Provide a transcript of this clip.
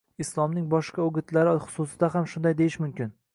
Islomning boshqa o‘gitlari xususida ham shunday deyish mumkin